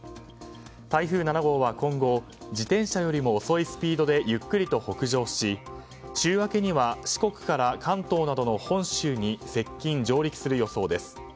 台風７号は今後自転車よりも遅いスピードでゆっくりと北上し週明けには四国から関東などの本州に接近・上陸する予想です。